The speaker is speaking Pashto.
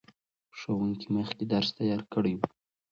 ښوونکي مخکې درس تیار کړی و.